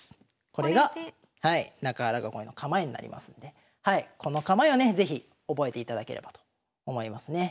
これが中原囲いの構えになりますんでこの構えをね是非覚えていただければと思いますね。